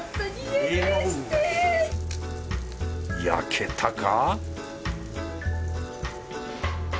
焼けたか？